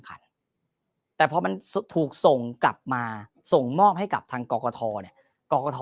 คันแต่พอมันถูกส่งกลับมาส่งมอบให้กับทางกรกฐเนี่ยกรกฐ